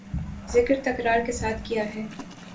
ذکر تکرار کے ساتھ کیا ہے